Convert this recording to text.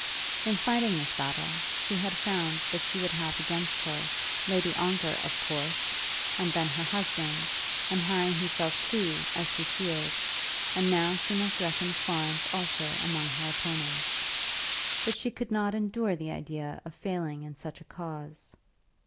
In fighting this battle she had found that she would have against her Lady Ongar of course, and then her husband, and Harry himself too, as she feared; and now also she must reckon Florence also among her opponents. But she could not endure the idea of failing in such a cause.